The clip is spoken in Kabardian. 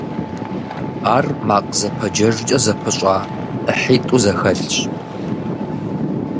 Ар макъ зэпэджэжкӀэ зэпыщӀа ӀыхьитӀу зэхэлъщ.